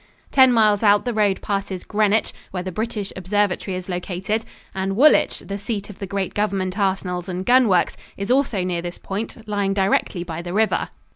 Ten miles out the road passes Greenwich, where the British observatory is located, and Woolwich, the seat of the great government arsenals and gun works, is also near this point, lying directly by the river.